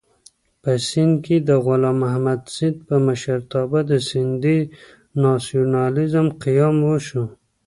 په سېند کې د غلام محمد سید په مشرتابه د سېندي ناسیونالېزم قیام وشو.